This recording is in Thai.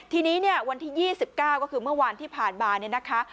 ทีนี้เนี่ยวันที่๒๙ก็คือเมื่อวานที่ผ่านมาเนี่ยนะคะ